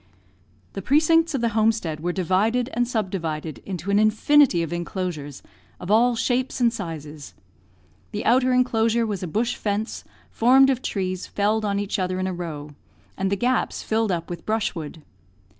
The precincts of the homestead were divided and subdivided into an infinity of enclosures, of all shapes and sizes. The outer enclosure was a bush fence, formed of trees felled on each other in a row, and the gaps filled up with brushwood.